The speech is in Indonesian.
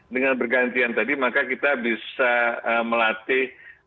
dengan bergantian tadi maka kita bisa melatih